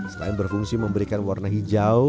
selain berfungsi memberikan warna hijau